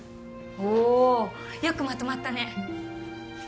おおよくまとまったね